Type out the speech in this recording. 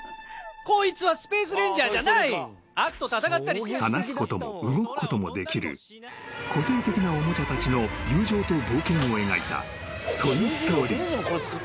「こいつはスペース・レンジャーじゃない」［話すことも動くこともできる個性的なおもちゃたちの友情と冒険を描いた『トイ・ストーリー』］